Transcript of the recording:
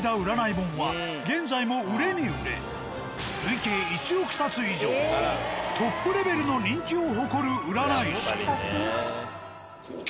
本は現在も売れに売れトップレベルの人気を誇る占い師。